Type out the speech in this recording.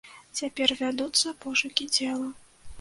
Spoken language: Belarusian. Цяпер вядуцца пошукі цела.